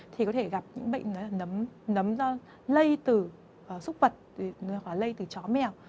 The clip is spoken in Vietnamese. thì có thể gặp những bệnh nấm do lây từ súc vật lây từ chó mèo